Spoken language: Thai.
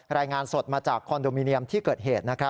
รายงานสดมาจากคอนโดมิเนียมที่เกิดเหตุ